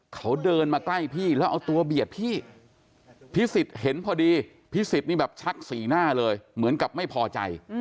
เขาเดินมาใกล้พี่แล้วเอาตัวเบียดพี่พิสิทธิ์เห็นพอดีพิสิทธิ์นี่แบบชักสีหน้าเลยเหมือนกับไม่พอใจ